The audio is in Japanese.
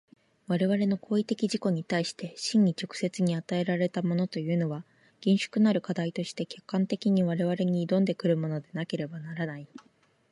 我々の行為的自己に対して真に直接に与えられたものというのは、厳粛なる課題として客観的に我々に臨んで来るものでなければならない。